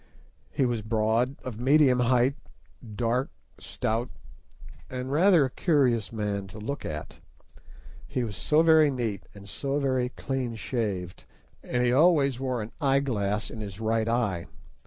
He was broad, of medium height, dark, stout, and rather a curious man to look at. He was so very neat and so very clean shaved, and he always wore an eye glass in his right eye.